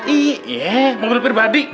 iya mobil pribadi